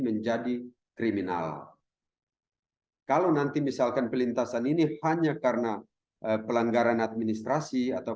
menjadi kriminal kalau nanti misalkan pelintasan ini hanya karena pelanggaran administrasi atau